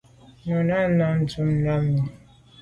Nu à tu àm la mi.